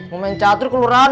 mau main catur keluaran